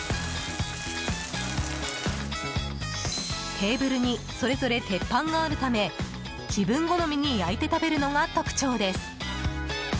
テーブルにそれぞれ鉄板があるため自分好みに焼いて食べるのが特徴です。